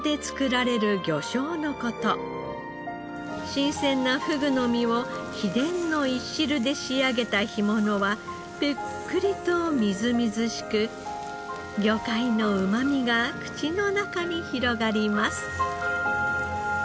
新鮮なふぐの身を秘伝のいしるで仕上げた干物はぷっくりとみずみずしく魚介のうまみが口の中に広がります。